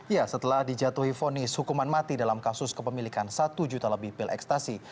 ya setelah dijatuhi vonis hukuman mati dalam kasus kepemilikan satu juta lebih pil ekstasi